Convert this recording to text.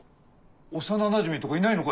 幼なじみとかいないのか？